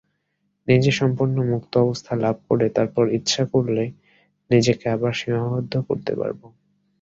নিজে সম্পূর্ণ মুক্ত অবস্থা লাভ করে তারপর ইচ্ছা করলে নিজেকে আবার সীমাবদ্ধ করতে পার।